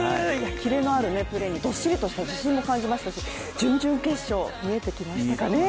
キレのあるプレーにどっしりとした自信も感じましたし準々決勝、見えてきましたね。